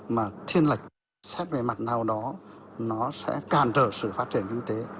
mà thiên lệch xét về mặt nào đó nó sẽ càn trở sự phát triển kinh tế